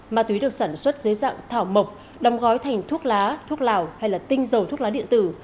ma túy được sản xuất dưới dạng thảo mộc đồng gói thành thuốc lá thuốc lào hay tinh dầu thuốc lá điện tử